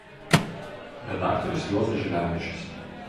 Redaktorius Juozas Žilevičius.